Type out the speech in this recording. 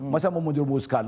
masa mau muncul buskan